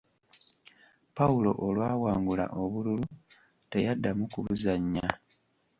Pawulo olwa wangula obululu teyaddamu kubuzannya.